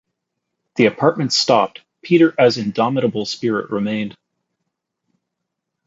The Apartments stopped, Peter as indomitable spirit remained.